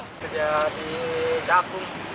kerja di cakung